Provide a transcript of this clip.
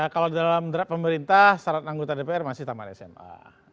kalau dalam draft pemerintah syarat anggota dpr masih taman sma